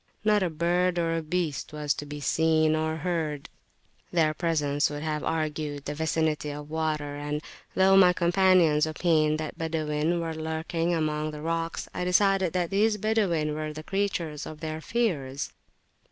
Not a bird or a beast was to be seen or heard; their presence would have argued the vicinity of water; and, though my companions opined that Badawin were lurking among the rocks, I decided that these Badawin were the creatures of their fears.